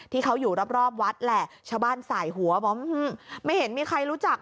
ที่เขาอยู่รอบรอบวัดแหละชาวบ้านสายหัวบอกไม่เห็นมีใครรู้จัก